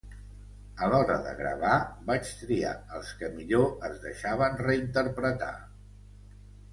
A l’hora de gravar, vaig triar els que millor es deixaven reinterpretar.